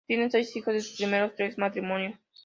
Tiene seis hijos de sus primeros tres matrimonios.